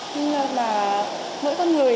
nhưng mà mỗi con người